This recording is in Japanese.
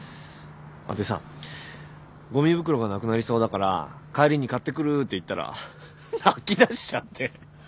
でさごみ袋がなくなりそうだから帰りに買ってくるって言ったら泣きだしちゃって。